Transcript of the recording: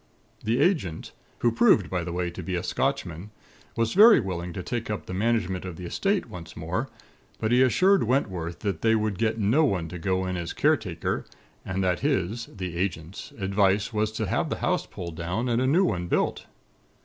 The Agent, who proved by the way to be a Scotchman, was very willing to take up the management of the Estate once more; but he assured Wentworth that they would get no one to go in as caretaker; and that his the Agent's advice was to have the house pulled down, and a new one built.